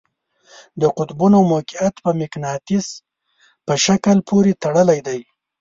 د قطبونو موقیعت په مقناطیس په شکل پورې تړلی دی.